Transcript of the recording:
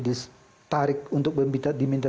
ditarik untuk diminta